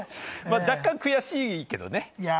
若干、悔しいけれどもね。